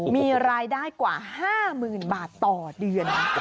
มีรายได้กว่า๕๐๐๐บาทต่อเดือน